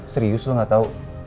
serius lo nggak tahu